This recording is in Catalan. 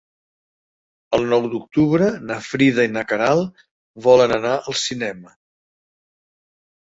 El nou d'octubre na Frida i na Queralt volen anar al cinema.